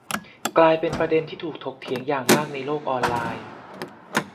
กลายเป็นประเด็นที่ถูกถกเถียงอย่างมากในโลกออนไลน์